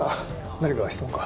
何か質問か？